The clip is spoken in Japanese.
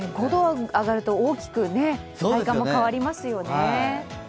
５度上がると大きく体感も変わりますよね。